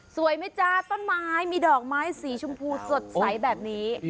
สวยไหมจ๊ะต้นไม้มีดอกไม้สีชมพูสดใสแบบนี้